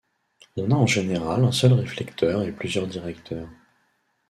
On a en général un seul réflecteur et plusieurs directeurs.